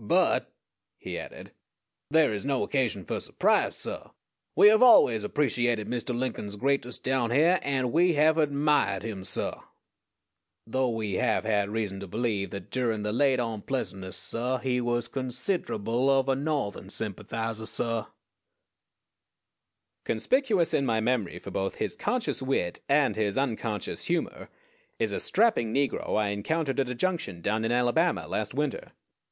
But," he added, "there is no occasion for surprise, suh. We have always appreciated Mr. Lincoln's greatness down hyear, and we have admiahed him, suh; _though we have had reason to believe that durin' the late onpleasantness, suh, he was consid'rable of a No'thern sympathizah, suh_." Conspicuous in my memory for both his conscious wit and his unconscious humor is a strapping negro I encountered at a junction down in Alabama last winter.